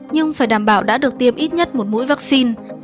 nhưng phải đảm bảo đã được tiêm ít nhất một mũi vaccine